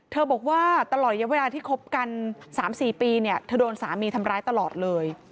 บอกว่าตลอดเวลาที่คบกัน๓๔ปีเนี่ยเธอโดนสามีทำร้ายตลอดเลย